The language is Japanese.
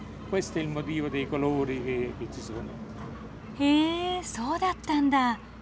へえそうだったんだ。